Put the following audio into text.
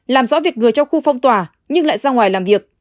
làm rõ việc người trong khu phong tỏa nhưng lại ra ngoài làm việc